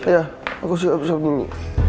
ya aku siap dulu